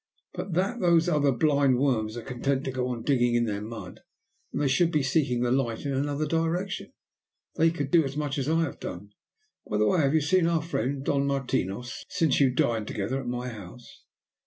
"But that those other blind worms are content to go on digging in their mud, when they should be seeking the light in another direction, they could do as much as I have done. By the way, have you seen our friend, Don Martinos, since you dined together at my house?"